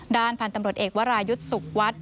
ด้านพันธุ์ตำรวจเอกวรายุทธ์สุขวัด